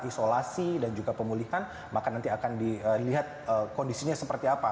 isolasi dan juga pemulihan maka nanti akan dilihat kondisinya seperti apa